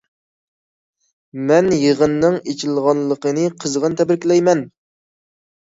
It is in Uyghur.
مەن يىغىننىڭ ئېچىلغانلىقىنى قىزغىن تەبرىكلەيمەن.